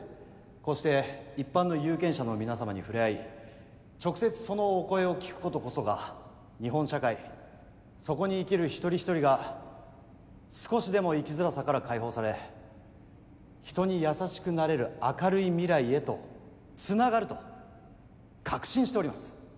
こうして一般の有権者の皆さまに触れ合い直接そのお声を聴くことこそが日本社会そこに生きる一人一人が少しでも生きづらさから解放され人に優しくなれる明るい未来へとつながると確信しております。